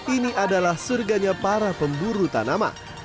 ini adalah surganya para pemburu tanaman